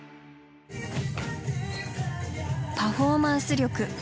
パフォーマンス力。